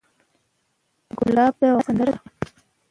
ګلاب د وفا سندره ده.